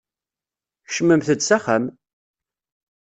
Kecmemt-d s axxam!